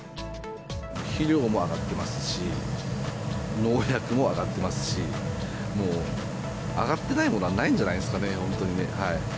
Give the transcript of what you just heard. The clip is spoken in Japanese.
肥料も上がってますし、農薬も上がってますし、もう上がってないものはないんじゃないですかね、本当にね。